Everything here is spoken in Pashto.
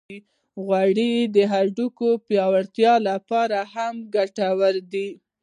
غوړې د هډوکو پیاوړتیا لپاره هم ګټورې دي.